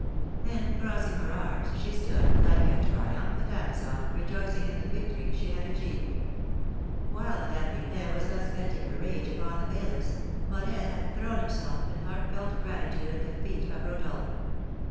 Then, crossing her arms, she stood, like a triumphant Amazon, rejoicing in the victory she had achieved. While Madame Pipelet was thus venting her rage upon the bailiffs, Morel had thrown himself, in heartfelt gratitude, at the feet of Rodolph.